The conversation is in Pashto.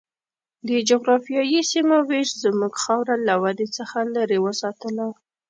د جغرافیایي سیمو وېش زموږ خاوره له ودې څخه لرې وساتله.